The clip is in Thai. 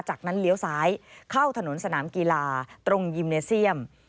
จากนั้นเลี้ยวซ้ายเข้าถนนสนามกีฬาตรงยิมเนเซียม